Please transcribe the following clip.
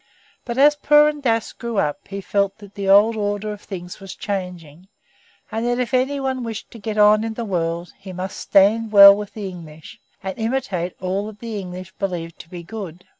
But as Purun Dass grew up he felt that the old order of things was changing, and that if any one wished to get on in the world he must stand well with the English, and imitate all that the English believed to be good.